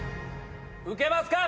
受けますか？